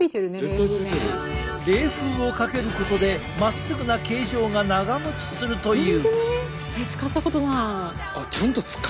冷風をかけることでまっすぐな形状が長もちするという。